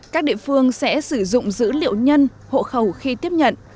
các địa phương sẽ sử dụng dữ liệu nhân hộ khẩu khi tiếp nhận